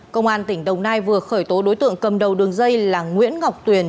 công an tỉnh đồng nai vừa khởi tố đối tượng cầm đầu đường dây là nguyễn ngọc tuyền